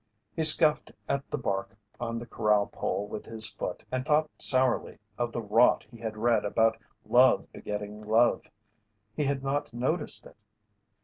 He scuffed at the bark on the corral pole with his foot and thought sourly of the rot he had read about love begetting love. He had not noticed it.